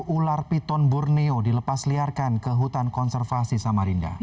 sepuluh ular piton borneo dilepas liarkan ke hutan konservasi samarinda